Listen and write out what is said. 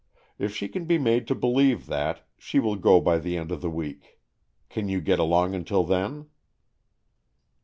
If she can be made to believe that, she will go by the end of the week. Can you get along until then?